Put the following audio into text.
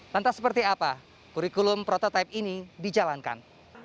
lantas seperti apa kurikulum prototipe ini dijalankan